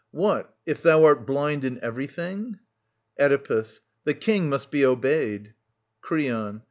... What, if thou art blind in everything ? Oedipus. The King must be obeyed. Creon.